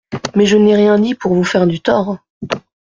Mais je n’ai rien dit pour vous faire du tort.